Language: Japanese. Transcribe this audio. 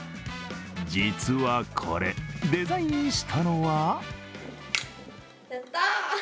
実はこれ、デザインしたのはやったー！